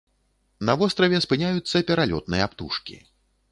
На востраве спыняюцца пералётныя птушкі.